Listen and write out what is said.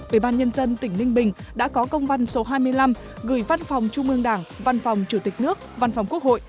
ủy ban nhân dân tỉnh ninh bình đã có công văn số hai mươi năm gửi văn phòng trung ương đảng văn phòng chủ tịch nước văn phòng quốc hội